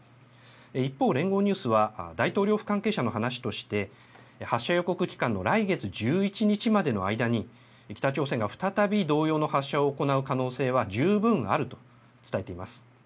一方、連合ニュースは、大統領府関係者の話として、発射予告期間の来月１１日までの間に、北朝鮮が再び同様の発射を行う可能性は十分あると伝えています。